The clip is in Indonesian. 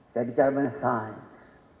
saya bicara mengenai sains